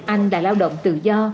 anh đã lao động tự do